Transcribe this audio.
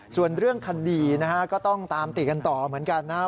ส่วนเรื่องคดีนะฮะก็ต้องตามติดกันต่อเหมือนกันนะครับ